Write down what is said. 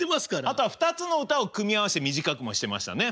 あとは２つの歌を組み合わせて短くもしてましたね。